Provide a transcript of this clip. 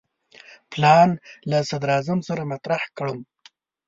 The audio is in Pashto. پلان له صدراعظم سره مطرح کړم.